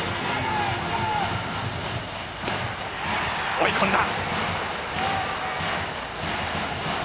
追い込んだ！